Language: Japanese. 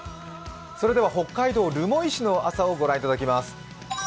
北海道留萌市の朝を御覧いただきます。